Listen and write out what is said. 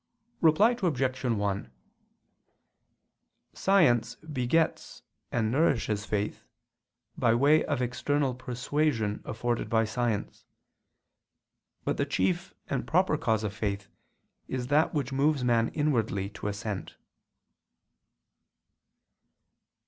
Reply Obj. 1: Science begets and nourishes faith, by way of external persuasion afforded by science; but the chief and proper cause of faith is that which moves man inwardly to assent.